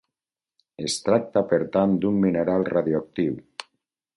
Es tracta per tant d'un mineral radioactiu.